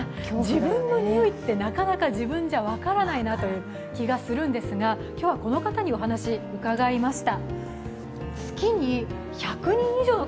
自分のにおいってなかなか自分じゃ分からないなという気がするんですが今日はこの方にお話、伺いました。